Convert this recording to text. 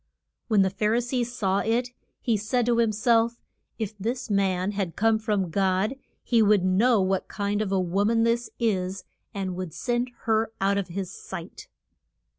When the Phar i see saw it he said to him self, If this man had come from God he would know what kind of a wo man this is, and would send her out of his sight.